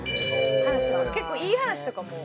結構いい話とかも。